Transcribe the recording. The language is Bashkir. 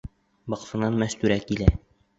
Баҡсанан Мәстүрә килә.